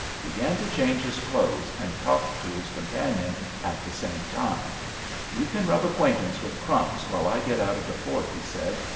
He began to change his clothes, and talked to his companion at the same time. "You can rub acquaintance with 'Crumbs' while I get out of the fort," he said.